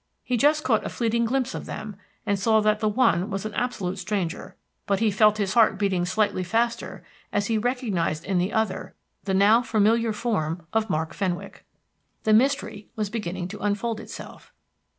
He just caught a fleeting glimpse of them, and saw that one was an absolute stranger, but he felt his heart beating slightly faster as he recognised in the other the now familiar form of Mark Fenwick. The mystery was beginning to unfold itself.